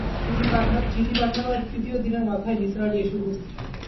চিঠি পাঠাবার তৃতীয় দিনের মাথায় নিসার আলি এসে উপস্থিত।